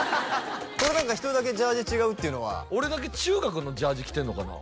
これ何か１人だけジャージ違うっていうのは俺だけ中学のジャージ着てんのかな？